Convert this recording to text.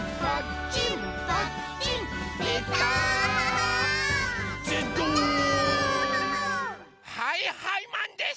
はいはいマンとびます！